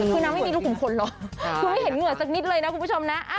คือนางไม่มีลูกขุมขนหรอกคือไม่เห็นเหงื่อสักนิดเลยนะคุณผู้ชมนะ